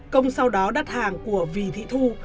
công sau đó đắt hàng của vì thị thu